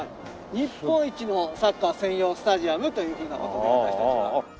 日本一のサッカー専用スタジアムというふうな事で私たちは。